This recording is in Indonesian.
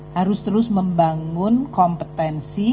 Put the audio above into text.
harus terus membangun kompetensi